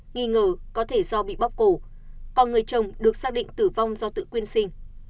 nghi ngờ có thể do bị bóc cổ còn người chồng được xác định tử vong do tự quyên sinh